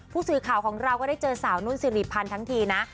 ผู้สื่อข่าวของเราก็ได้เจอสาวนุ่นสิริพันธ์ทั้งทีนะ